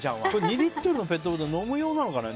２リットルのペットボトル飲むようなのかな。